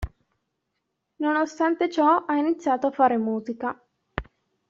Nonostante ciò ha iniziato a fare musica.